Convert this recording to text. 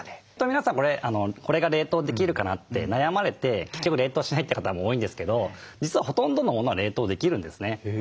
皆さんこれが冷凍できるかなって悩まれて結局冷凍しないって方も多いんですけど実はほとんどのものは冷凍できるんですね。